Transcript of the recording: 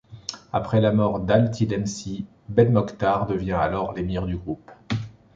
Après la mort d'al-Tilemsi, Belmokhtar devient alors l'émir du groupe.